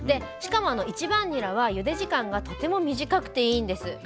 しかも１番ニラはゆで時間がとても短くていいんです。